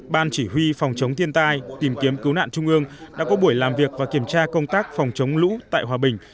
ban chỉ huy phòng chống thiên tai tìm kiếm cứu nạn trung ương đã có buổi làm việc và kiểm tra công tác phòng chống lũ tại hòa bình